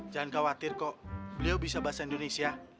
jangan khawatir kok beliau bisa bahasa indonesia